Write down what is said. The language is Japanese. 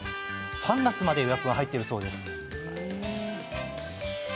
３月まで予約が入っているそうです。